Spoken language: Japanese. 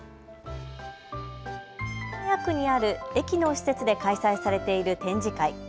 保土ケ谷区にある駅の施設で開催されている展示会。